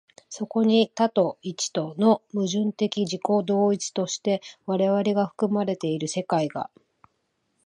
そこに多と一との矛盾的自己同一として我々が含まれている世界が、